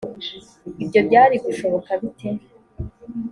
ibyo byari gushoboka bite